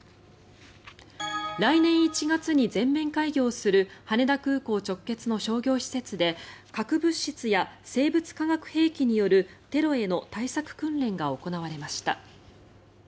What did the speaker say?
来年１月に全面開業する羽田空港直結の商業施設で核物質や生物・化学兵器によるテロへの対策訓練が行われました。